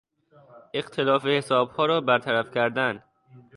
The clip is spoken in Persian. اختلاف حسابها را برطرف کردن